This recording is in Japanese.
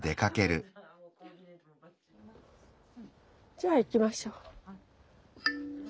じゃあ行きましょう。